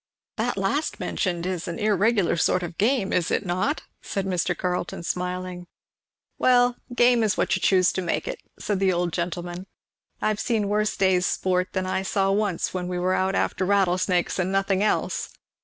"That last mentioned is an irregular sort of game, is it not?" said Mr. Carleton smiling. "Well, game is what you choose to make it," said the old gentleman. "I have seen worse days' sport than I saw once when we were out after rattlesnakes and nothing else.